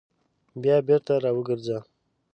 بیا بېرته راوګرځه !